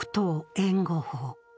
援護法。